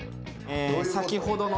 先ほどの。